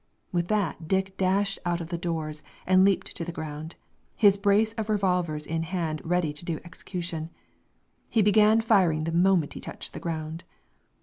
With that, Dick dashed out of the doors and leaped to the ground, his brace of revolvers in hand ready to do execution. He began firing the moment he touched the ground.